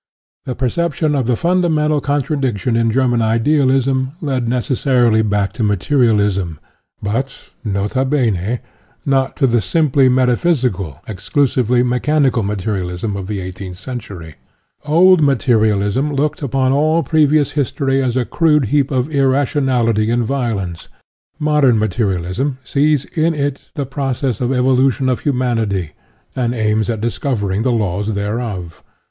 The perception of the fundamental con tradiction in German idealism led neces sarily back to materialism, but nota bene, not to the simply metaphysical, exclusively mechanical materialism of the eighteenth century. Old materialism looked upon all previous history as a crude heap of irration 88 SOCIALISM ality and violence; modern materialism sees in it the process n f frvnl^finn n ^ humanity and aims at discovering the laws thereof.